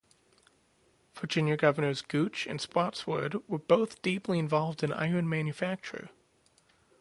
Virginia Governors Gooch and Spotswood were both deeply involved in iron manufacture.